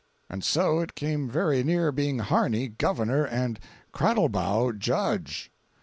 And so it came very near being Harney governor and Cradlebaugh judge!